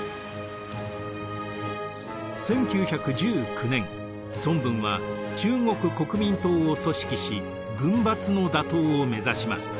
１９１９年孫文は中国国民党を組織し軍閥の打倒を目指します。